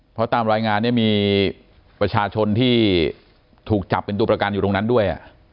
เพราะตามรายงานเนี่ยมีประชาชนที่ถูกจับเป็นตัวประกันอยู่ตรงนั้นด้วย